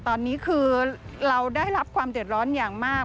ตอนนี้คือเราได้รับความเดือดร้อนอย่างมาก